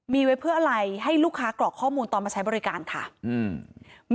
มีไว้เพื่ออะไรให้ลูกค้ากรอกข้อมูลตอนมาใช้บริการค่ะอืม